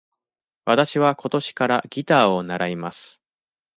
わたしは今年からギターを習います。